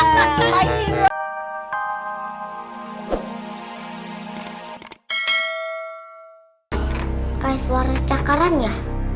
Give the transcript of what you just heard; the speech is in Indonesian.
guys suara cakaran ya